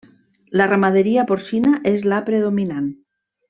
La ramaderia porcina és la predominant.